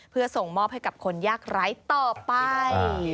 เพื่อส่งมอบให้กับคนยากไร้ต่อไป